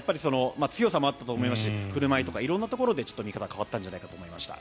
強さもあったと思いますし振る舞いとか色んなところで見方が変わったんじゃないかと思いました。